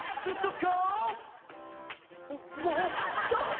「ちょっと！